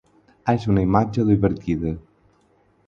És una imatge divertida.